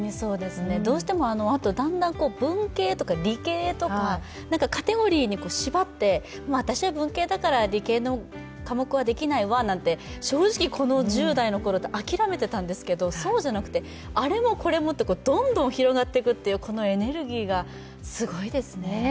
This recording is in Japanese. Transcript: どうしてもだんだん文系とか理系とかカテゴリーに縛って私は文系だから理系の科目はできないわって、正直この１０代のころって諦めていたんですけどそうじゃなくて、あれもこれもってどんどん広がっていくというエネルギーがすごいですね。